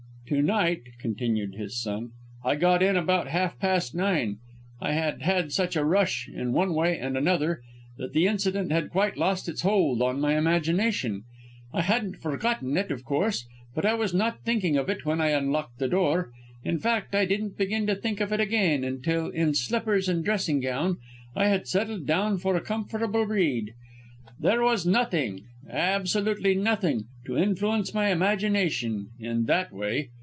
"To night," continued his son, "I got in at about half past nine. I had had such a rush, in one way and another, that the incident had quite lost its hold on my imagination; I hadn't forgotten it, of course, but I was not thinking of it when I unlocked the door. In fact I didn't begin to think of it again until, in slippers and dressing gown, I had settled down for a comfortable read. There was nothing, absolutely nothing, to influence my imagination in that way.